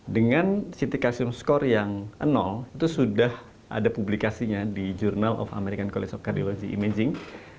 dengan ct calcium score yang nol itu sudah ada publikasinya di journal of american college of cardiology imaging